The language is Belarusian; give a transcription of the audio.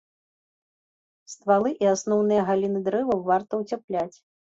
Ствалы і асноўныя галіны дрэваў варта ўцяпліць.